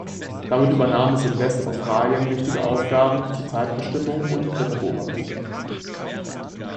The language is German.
Damit übernahm es in West Australien wichtige Aufgaben zur Zeitbestimmung und Wetterbeobachtung.